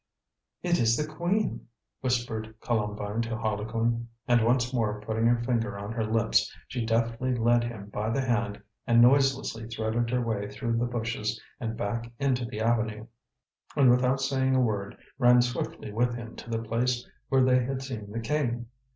"It is the Queen!" whispered Columbine to Harlequin. And once more putting her finger on her lips, she deftly led him by the hand and noiselessly threaded her way through the bushes and back into the avenue, and without saying a word ran swiftly with him to the place where they had seen the King.